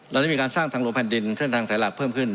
เราได้มีการสร้างทางหลวงแผ่นดินเส้นทางสายหลักเพิ่มขึ้น